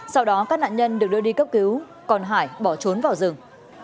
sau đó các nạn nhân được đưa đi cấp cứu còn hải bỏ trốn vào rừng